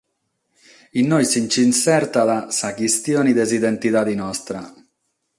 Inoghe si nch’insertat sa chistione de s’identidade nostra.